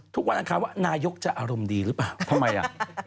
วันอังคารว่านายกจะอารมณ์ดีหรือเปล่าทำไมอ่ะ